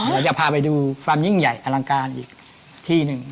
เดี๋ยวจะพาไปดูความยิ่งใหญ่อลังการอีกที่หนึ่ง